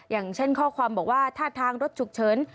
อย่างเช่นข้อความบอกว่าท่าทางรถฉุกเฉิน